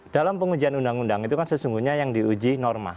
dalam pengujian undang undang itu kan sesungguhnya yang diuji norma